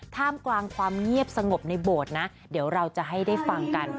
ท่ามกลางความเงียบสงบในโบสถ์นะเดี๋ยวเราจะให้ได้ฟังกัน